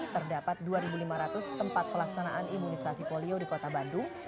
terdapat dua lima ratus tempat pelaksanaan imunisasi polio di kota bandung